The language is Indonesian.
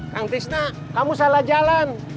kang trisna kamu salah jalan